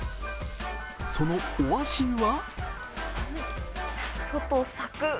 そのお味は？